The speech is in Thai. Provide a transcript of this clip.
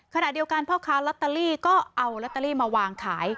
ขณะเดียวกันพ่อค้าลอตเตอรี่ก็เอาลอตเตอรี่มาวางขาย